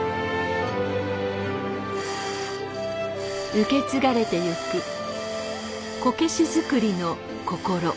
受け継がれてゆくこけし作りの心。